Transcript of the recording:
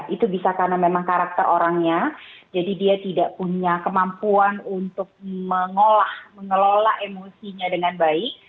itu bisa karena memang karakter orangnya jadi dia tidak punya kemampuan untuk mengelola emosinya dengan baik